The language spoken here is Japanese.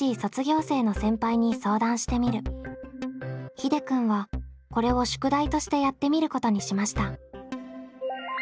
ひでくんはこれを宿題としてやってみることにしました。